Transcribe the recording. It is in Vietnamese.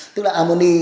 tức là ammoni